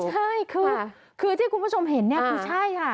ใช่คือที่คุณผู้ชมเห็นเนี่ยคือใช่ค่ะ